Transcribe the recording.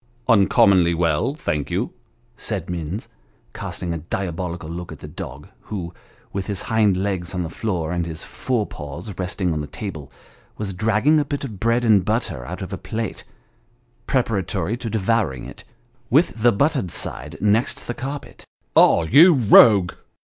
" Uncommonly well, thank you," said Minns, casting a diabolical look at the dog, who, with, his hind legs on the floor, and his fore paws resting on the table, was dragging a bit of bread and butter out of a plate, preparatory to devouring it, with the buttered side next the carpet. " Ah, you rogue